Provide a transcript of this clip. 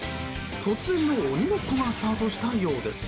突然の鬼ごっこがスタートしたようです。